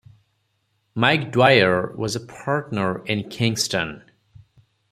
Mike Dwyer was a partner in Kingston.